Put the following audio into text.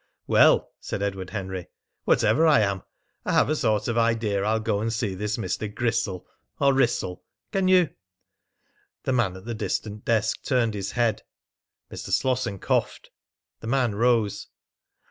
"Well," said Edward Henry, "whatever I am, I have a sort of idea I'll go and see this Mr. Gristle or Wrissell. Can you " The man at the distant desk turned his head. Mr. Slosson coughed. The man rose.